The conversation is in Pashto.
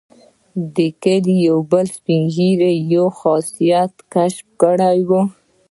د کلي یو بل سپین ږیري یو خاصیت کشف کړی وو.